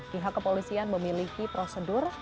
pihak kepolisian memiliki prosedur